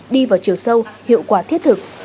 đi vào chiều sâu hiệu quả thiết thực